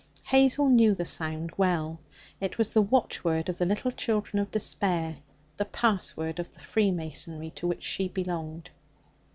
Hazel knew the sound well. It was the watchword of the little children of despair, the password of the freemasonry to which she belonged.